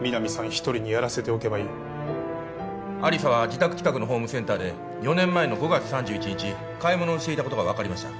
一人にやらせておけばいい亜理紗は自宅近くのホームセンターで４年前の５月３１日買い物をしていたことが分かりました